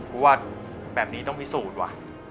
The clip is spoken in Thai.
เพราะว่าแบบนี้ต้องพิสูจน์ว่ะ